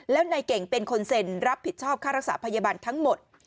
แล้วนายเก่งเป็นคนเซ็นรับผิดชอบค่ารักษาพยาบาลทั้งหมด